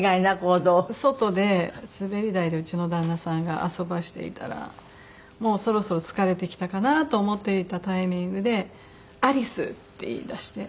外で滑り台でうちの旦那さんが遊ばせていたらもうそろそろ疲れてきたかなと思っていたタイミングで「アリス」って言い出して。